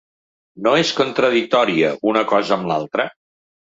No és contradictòria, una cosa amb l’altra?